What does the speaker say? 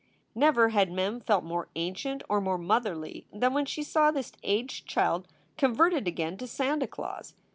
Never had Mem felt more ancient or more motherly than when she saw this aged child converted again to Santa Claus.